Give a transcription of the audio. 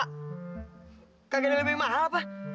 kagak ada yang lebih mahal apa